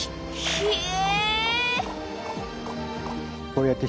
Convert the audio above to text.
ひえ！